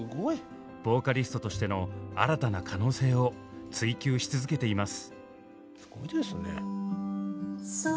ボーカリストとしての新たな可能性を追求し続けています。